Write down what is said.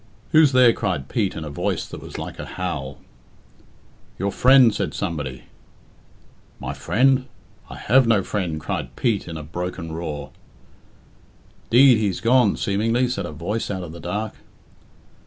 "Who's there?" cried Pete, in a voice that was like a howl. "Your friend," said somebody. "My friend? I have no friend," cried Pete, in a broken roar. "'Deed he's gone, seemingly," said a voice out of the dark.